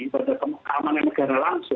keamanan negara langsung